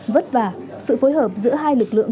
vất vả sự phối hợp giữa hai lực lượng